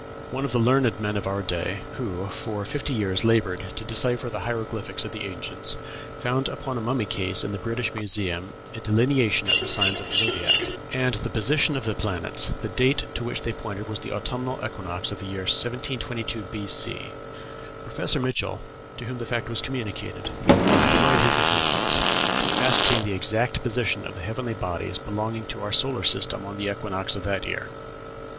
One of the learned men of our day, who for fifty years labored to decipher the hieroglyphics of the ancients, found upon a mummy case in the British Museum a delineation of the signs of the zodiac, and the position of the planets; the date to which they pointed was the autumnal equinox of the year 1722 B.C. Professor Mitchell, to whom the fact was communicated, employed his assistants to ascertain the exact position of the heavenly bodies belonging to our solar system on the equinox of that year.